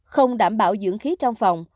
không đảm bảo dưỡng khí trong phòng